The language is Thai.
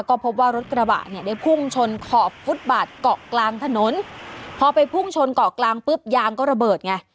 ก็พบว่ารถกระบะเนี่ยได้พุ่งชนขอบฟุตบาทเกาะกลางถนนพอไปพุ่งชนเกาะกลางปุ๊บยางก็ระเบิดไง